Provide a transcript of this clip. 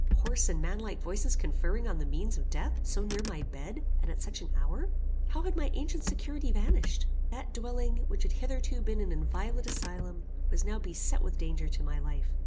Hoarse and manlike voices conferring on the means of death, so near my bed, and at such an hour! How had my ancient security vanished! That dwelling, which had hitherto been an inviolate asylum, was now beset with danger to my life.